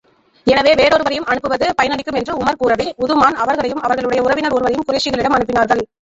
எனவே வேறெவரையும் அனுப்புவது பயனளிக்கும் என்று உமர் கூறவே, உதுமான் அவர்களையும் அவர்களுடைய உறவினர் ஒருவரையும் குறைஷிகளிடம் அனுப்பினார்கள்.